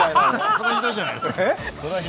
それはひどいじゃないですか。